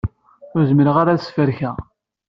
Ur zmireɣ ad tt-sferkeɣ.